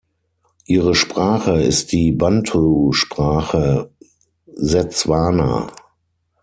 Ihre Sprache ist die Bantusprache Setswana.